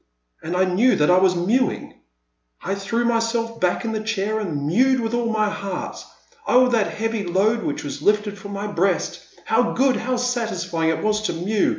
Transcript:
And I knew that I was mewing ! I threw myself back in my chair and mewed with all my heart. Oh, that heavy load which was lifted from my breast ! How good, how satisfying it was to mew